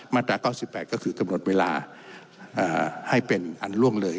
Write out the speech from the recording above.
ตรา๙๘ก็คือกำหนดเวลาให้เป็นอันล่วงเลย